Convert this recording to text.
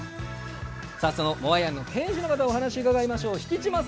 モアイ庵の店主の方にお話を聞きましょう。